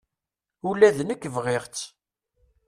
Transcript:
Ula d nekk bɣiɣ-tt.